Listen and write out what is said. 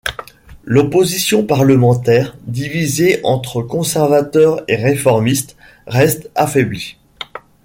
L'opposition parlementaire, divisée entre conservateurs et réformistes, reste affaiblie.